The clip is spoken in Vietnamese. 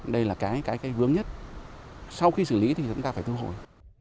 đây là cái vướng nhất sau khi xử lý thì chúng ta phải thu hội